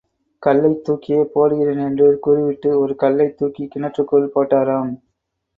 கல்லைத்துக்கியே போடுகிறேன் என்று கூறிவிட்டு ஒரு கல்லைத் துக்கிக் கிணற்றுக்குள் போட்டாராம்.